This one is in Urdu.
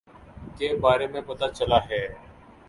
کے بارے میں پتا چلا ہے